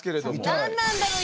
何なんだろう